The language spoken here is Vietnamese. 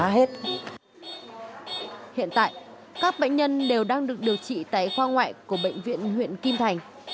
hiện tại các bệnh nhân đều đang được điều trị tại khoa ngoại của bệnh viện huyện kim thành